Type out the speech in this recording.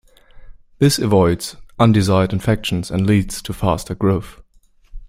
This avoids undesired infections and leads to faster growth.